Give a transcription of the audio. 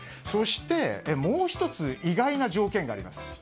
そしてもう１つ意外な条件があります。